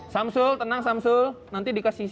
samsul tenang samsul nanti dikasih